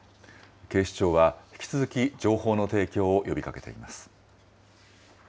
警視庁は引き続き情報の提供を呼びかけています。